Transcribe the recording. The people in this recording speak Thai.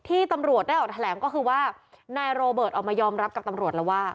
ที่ตำรวจได้ออกแถลงก็คือว่านายโรเบิร์ตออกมายอมรับกับตำรวจแล้วว่า